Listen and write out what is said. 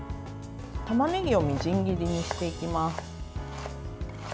たまねぎをみじん切りにしていきます。